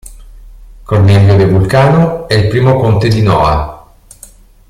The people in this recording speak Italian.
Cornelio de Vulcano è il primo conte di Noa.